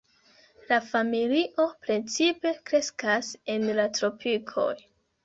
La familio precipe kreskas en la tropikoj.